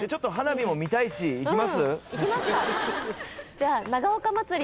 じゃあ。